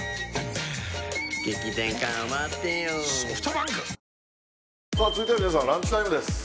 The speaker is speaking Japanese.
劇団変わってよさあ続いては皆さんランチタイムです